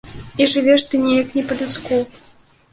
І жывеш ты неяк не па-людску.